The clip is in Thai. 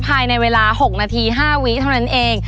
ภายในเวลา๖นาที๕วิเท่านั้นเอง